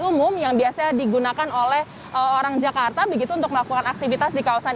umum yang biasa digunakan oleh orang jakarta begitu untuk melakukan aktivitas di kawasan